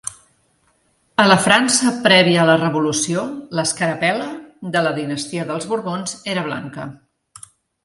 A la França prèvia a la revolució, l'escarapel·la de la dinastia dels Borbons era blanca.